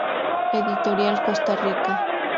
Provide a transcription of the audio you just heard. Editorial Costa Rica.